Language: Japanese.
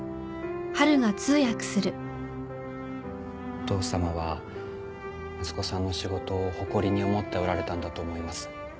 お父様は息子さんの仕事を誇りに思っておられたんだと思います。